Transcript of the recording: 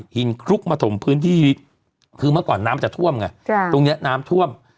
คลุกมาถมพื้นที่คือเมื่อก่อนน้ำจะท่วมไงตรงเนี้ยน้ำท่วม